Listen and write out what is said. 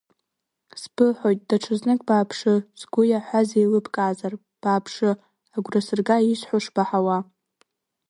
Сбыҳәоит даҽазнык бааԥшы, сгәы иаҳәаз еилыбкаазар, бааԥшы, агәра сырга исҳәо шбаҳауа!